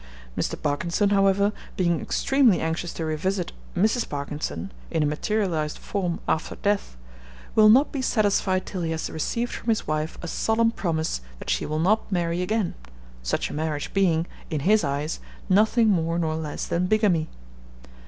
Mr. Parkinson, however, being extremely anxious to revisit Mrs. Parkinson, in a materialised form after death, will not be satisfied till he has received from his wife a solemn promise that she will not marry again, such a marriage being, in his eyes, nothing more nor less than bigamy.